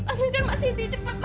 panggilkan mbak siti cepet mas